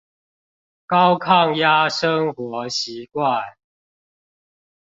高抗壓生活習慣